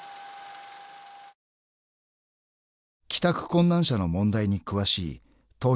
［帰宅困難者の問題に詳しい］